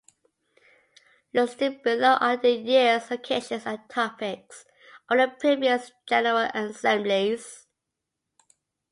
Listed below are the years, locations and topics of the previous General Assemblies.